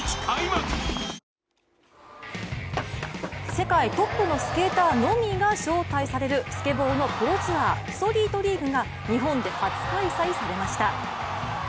世界トップのスケーターのみが招待されるスケボーのプロツアーストリートリーグが日本で初開催されました。